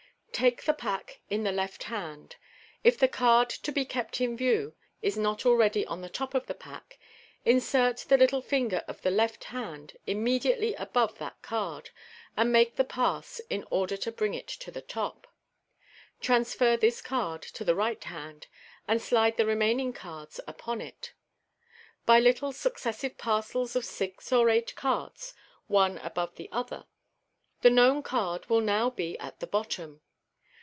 — Take the pack in the left hand. If the card to be kept in view is not already on the top of the pack, insert the little finger of the left hand immediately above that card, and make the pass in order to bring it to the top. Transfer this card to the right hand, and slide the remaining cards upon it, by little successive parcels of six or eight cards, one above the other. The known card will now be at the bottom.